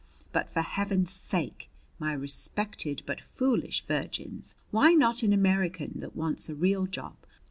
But, for Heaven's sake, my respected but foolish virgins, why not an American that wants a real job?